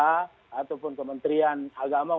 ataupun kementerian agama